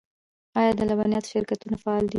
آیا د لبنیاتو شرکتونه فعال دي؟